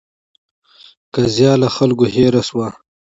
قضیه له خلکو هېره شوه.